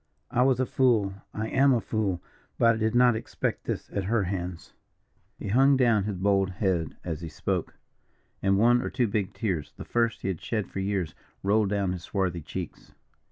I was a fool I am a fool, but I did not expect this at her hands." He hung down his bold head as he spoke, and one or two big tears, the first he had shed for years, rolled down his swarthy cheeks.